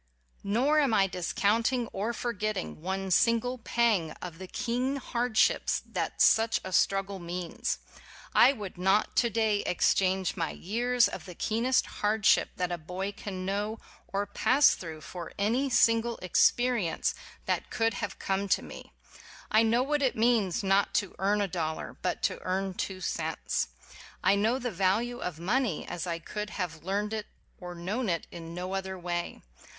Nor am I discounting or forgetting one single pang of the keen hardships that such a struggle means. I would not to day exchange my years of the 12 WHY I BELIEVE IN POVERTY keenest hardship that a boy can know or pass through for any single experi ence that could have come to me. I know what it means, not to earn a dol lar, but to earn two cents. I know the value of money as I could have learned it or known it in no other way.